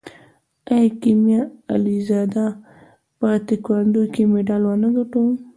آیا کیمیا علیزاده په تکواندو کې مډال ونه ګټه؟